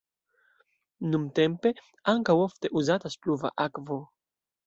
Nuntempe ankaŭ ofte uzatas pluva akvo.